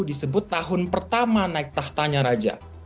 disebut tahun pertama naik tahtanya raja